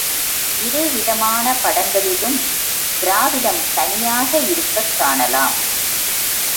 இரு விதமான படங்களிலும், திராவிடம் தனியாக இருக்கக் காணலாம்.